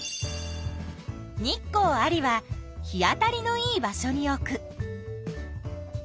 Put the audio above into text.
「日光あり」は日当たりのいい場所に置く。